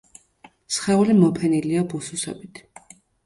სხეული მოფენილია ბუსუსებით.